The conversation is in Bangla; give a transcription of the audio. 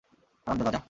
হারামজাদা, যা।